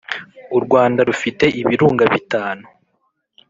U Rwanda rufite ibirunga bitantu